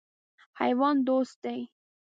حیوان دوست دی.